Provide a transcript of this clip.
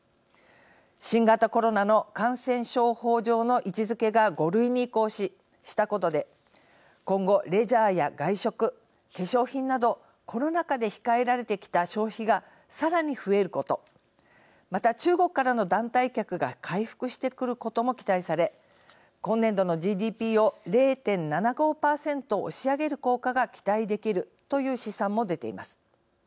新型コロナの感染症法上の位置づけが５類に移行したことで今後、レジャーや外食化粧品などコロナ禍で控えられてきた消費がさらに増えることまた、中国からの団体客が回復してくることも期待され今年度のＧＤＰを０．７５％押し上げる効果が期待できるという試算もでています。